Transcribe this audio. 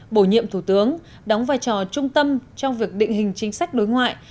bổ nhiệm thủ tướng đóng vai trò trung tâm trong việc định hình chính sách đối ngoại